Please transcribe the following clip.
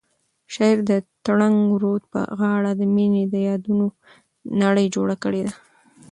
شاعر د ترنګ رود په غاړه د مینې د یادونو نړۍ جوړه کړې ده.